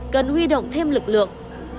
cần huy động thêm lực lượng